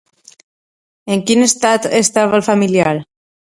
En quin estat estava el familiar?